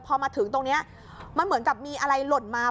พอมาถึงตรงนี้มันเหมือนกับมีอะไรหล่นมา